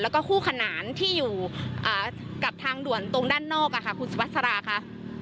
แล้วก็คู่ขนานที่อยู่กับทางด่วนตรงด้านนอกค่ะคุณสุภาษาราค่ะ